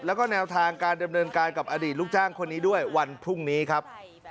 แล้วก็แนวทางการดำเนินการกับอดีตลูกจ้างคนนี้ด้วยวันพรุ่งนี้ครับ